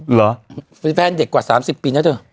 หรอแฟนเด็กกว่า๓๐ปีแล้วเถอะ